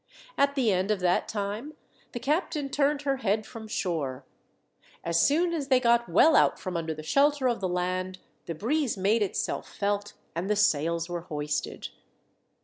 At the end of that time the captain turned her head from shore. As soon as they got well out from under the shelter of the land the breeze made itself felt, and the sails were hoisted.